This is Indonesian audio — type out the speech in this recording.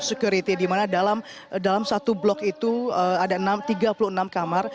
security di mana dalam satu blok itu ada tiga puluh enam kamar